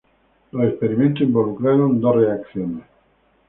Los experimentos involucraron dos reacciones.